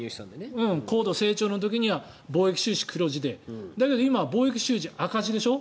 高度成長の時には貿易収支、黒字でだけど今、貿易収支赤字でしょ。